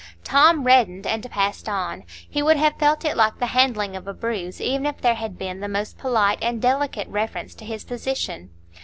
Tom reddened and passed on; he would have felt it like the handling of a bruise, even if there had been the most polite and delicate reference to his position.